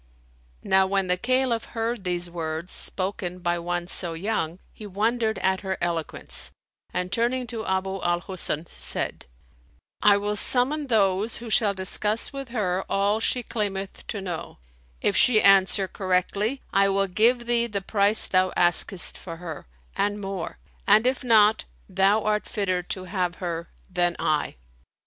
"[FN#296] Now when the Caliph heard these words spoken by one so young, he wondered at her eloquence, and turning to Abu al Husn, said, "I will summon those who shall discuss with her all she claimeth to know; if she answer correctly, I will give thee the price thou askest for her and more; and if not, thou art fitter to have her than I."